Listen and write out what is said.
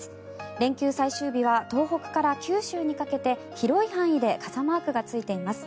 連休最終日は東北から九州にかけて広い範囲で傘マークがついています。